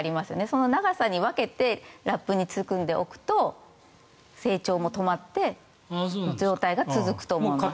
その長さに分けてラップに包んでおくと成長も止まって状態が続くと思います。